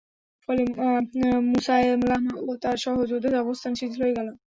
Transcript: ফলে মুসায়লামা ও তার সহযোদ্ধাদের অবস্থান শিথিল হয়ে গেল।